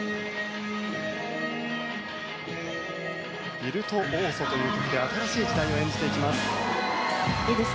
「ビルトオーソ」という曲で新しい時代を演じていきます。